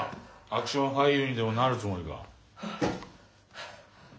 アクション俳優にでもなるつもりか？